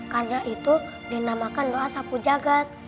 karena itu dinamakan doa sapu jagad